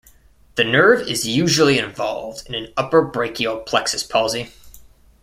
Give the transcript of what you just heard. The nerve is usually involved in an upper brachial plexus palsy.